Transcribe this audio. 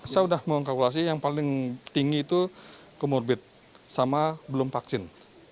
saya sudah mengkalkulasi yang paling tinggi itu comorbid sama belum vaksin